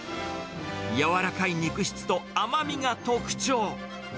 柔らかい肉質と甘みが特徴。